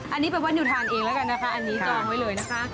อันนี้แปลว่านิวทานเองแล้วกันนะคะอันนี้จองไว้เลยนะคะ